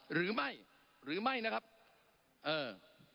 หรือไม่หรือไม่นะครับเออ